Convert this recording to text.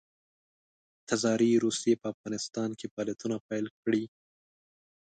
تزاري روسیې په افغانستان کې فعالیتونه پیل کړي.